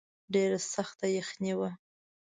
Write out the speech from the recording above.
ډېره سخته یخني وه.